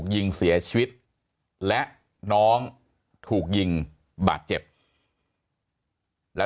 มีความรู้สึกว่า